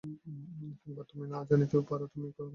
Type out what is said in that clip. কিংবা তুমি না জানিতেও পার, তুমি তখন কলিকাতার স্কুলে পড়িতে।